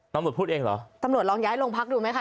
ตำรวจพูดเองเหรอตำรวจลองย้ายโรงพักดูไหมคะ